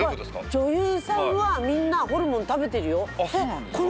女優さんはみんなホルモン食べてるよ。